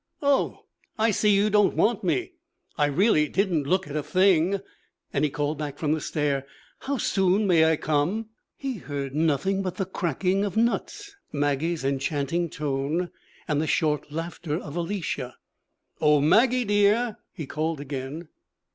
'Oh, I see you don't want me. I really didn't look at a thing!' And he called back from the stair, 'How soon may I come?' He heard nothing but the cracking of nuts, Maggie's enchanting tone, and the short laughter of Alicia. 'O Maggie, dear!' he called again.